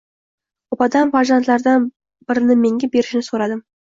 opadan farzandlaridan birini menga berishini so‘radim.